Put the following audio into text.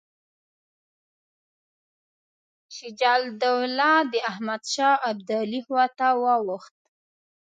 شجاع الدوله د احمدشاه ابدالي خواته واوښت.